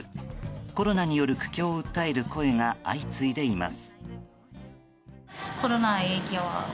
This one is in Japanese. コロナによる苦境を訴える声が相次いでいます。